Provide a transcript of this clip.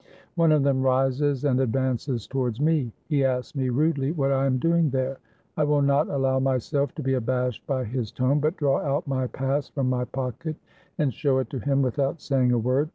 One of them rises and advances towards me. He asks me rudely what I am doing there. I will not allow my self to be abashed by his tone, but draw out my pass from my pocket and show it to him, without saying a word.